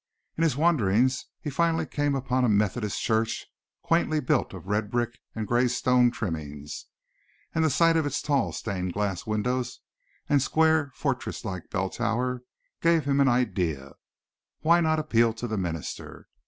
In his wanderings he finally came upon a Methodist church quaintly built of red brick and grey stone trimmings, and the sight of its tall, stained glass windows and square fortress like bell tower gave him an idea. Why not appeal to the minister?